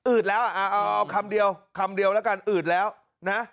แล้วเอาคำเดียวคำเดียวแล้วกันอืดแล้วนะ